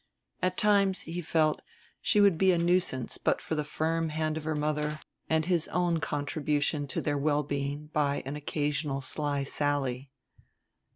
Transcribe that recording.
At times, he felt, she would be a nuisance but for the firm hand of her mother and his own contribution to their well being by an occasional sly sally.